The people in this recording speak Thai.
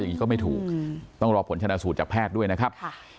อย่างนี้ก็ไม่ถูกต้องรอผลชนะสูตรจากแพทย์ด้วยนะครับ